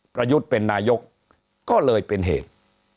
ประยุทธ์เป็นนายกก็เลยเป็นเหตุ